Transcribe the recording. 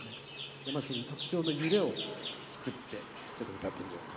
じゃまずその特徴の揺れを作ってちょっと歌ってみようか。